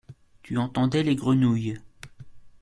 Tu entendais les grenouilles.